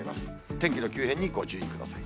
天気の急変にご注意ください。